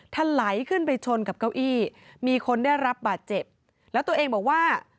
ถลายขึ้นไปชนกับเก้าอี้มีคนได้รับบาดเจ็บแล้วตัวเองบอกว่า